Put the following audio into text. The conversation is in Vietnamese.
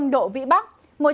hai mươi độ vĩ bắc